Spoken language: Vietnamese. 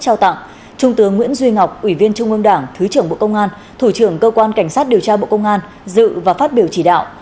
trao tặng trung tướng nguyễn duy ngọc ủy viên trung ương đảng thứ trưởng bộ công an thủ trưởng cơ quan cảnh sát điều tra bộ công an dự và phát biểu chỉ đạo